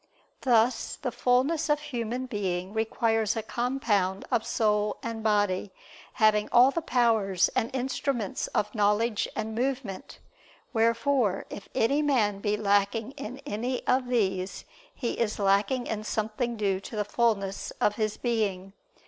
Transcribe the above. Thus the fulness of human being requires a compound of soul and body, having all the powers and instruments of knowledge and movement: wherefore if any man be lacking in any of these, he is lacking in something due to the fulness of his being.